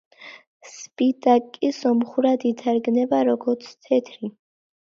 სპიტაკი სომხურად ითარგმნება როგორც „თეთრი“.